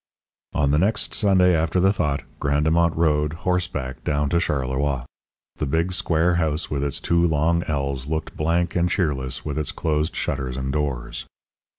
On the next Sunday after the thought Grandemont rode, horseback, down to Charleroi. The big, square house with its two long ells looked blank and cheerless with its closed shutters and doors.